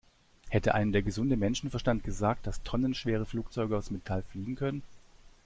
Hätte einem der gesunde Menschenverstand gesagt, dass tonnenschwere Flugzeuge aus Metall fliegen können?